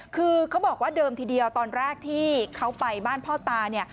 คือเขาบอกว่าเดิมทีเดียวตอนแรกที่เขาไปบ้านพ่อตา